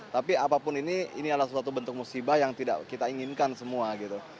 tapi apapun ini ini adalah suatu bentuk musibah yang tidak kita inginkan semua gitu